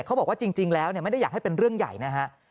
เขาบอกว่าจริงแล้วไม่ได้อยากให้เป็นเรื่องใหญ่นะฮะ